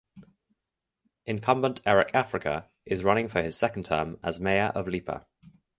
Incumbent Eric Africa is running for his second term as Mayor of Lipa.